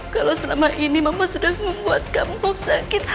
kalau selama ini mama sudah membuat kamu sakit